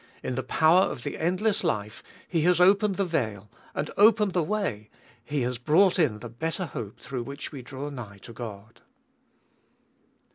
In the power of the endless life He has opened the veil and opened the way ; He has brought in the better hope through which we draw nigh to God.